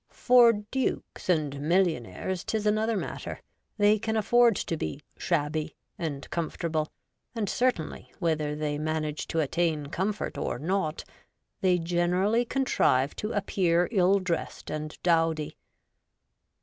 For dukes and millionaires 'tis another matter ; they can afford to be ' shabby ' and 24 REVOLTED WOMAA^. comfortable, and certainly, whether they manage to attain comfort or not, they generally contrive to appear ill dressed and dowdy.